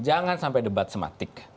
jangan sampai debat sematik